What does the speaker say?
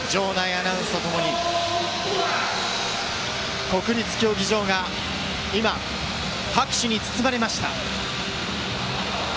アナウンスとともに、国立競技場が拍手に包まれました。